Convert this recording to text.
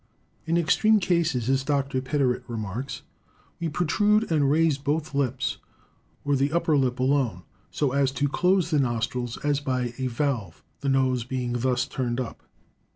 In extreme cases, as Dr. Piderit remarks, we protrude and raise both lips, or the upper lip alone, so as to close the nostrils as by a valve, the nose being thus turned up.